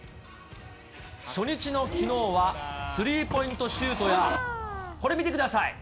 初日のきのうは、スリーポイントシュートや、これ見てください。